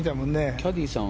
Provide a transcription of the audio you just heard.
キャディーさん